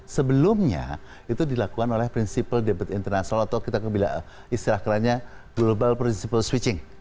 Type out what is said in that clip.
sebelumnya itu dilakukan oleh prinsipal debit internasional atau kita bisa istilahkan global prinsipal switching